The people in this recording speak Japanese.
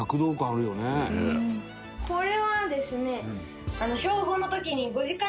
これはですね